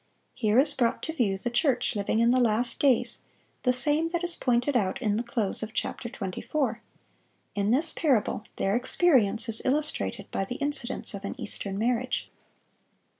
Here is brought to view the church living in the last days, the same that is pointed out in the close of chapter 24. In this parable their experience is illustrated by the incidents of an Eastern marriage.